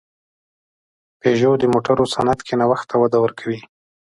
پيژو د موټرو صنعت کې نوښت ته وده ورکوي.